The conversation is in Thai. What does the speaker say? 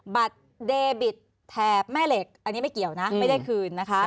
บัตรเดบิตแถบแม่เหล็กอันนี้ไม่เกี่ยวนะไม่ได้คืนนะคะ